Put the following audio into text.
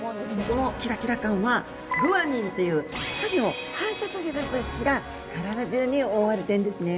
このキラキラ感はグアニンという光を反射させる物質が体中に覆われてるんですね。